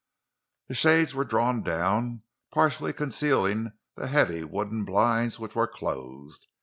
The shades were down, partly concealing heavy wooden blinds—which were closed.